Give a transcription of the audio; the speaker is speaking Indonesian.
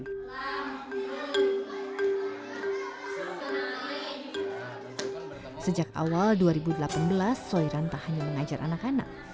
sejak awal dua ribu delapan belas soiran tak hanya mengajar anak anak